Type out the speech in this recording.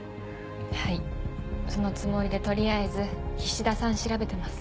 はいそのつもりで取りあえず菱田さん調べてます。